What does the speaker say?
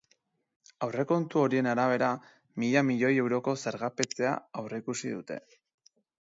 Aurrekontu horien arabera, mila milioi euroko zergapetzea aurreikusi dute.